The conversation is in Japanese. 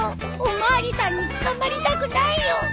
お巡りさんに捕まりたくないよ。